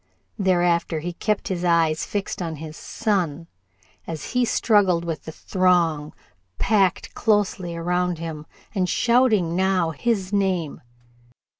Thereafter he kept his eyes fixed on his son, as he struggled with the throng packed closely around him and shouting now his name.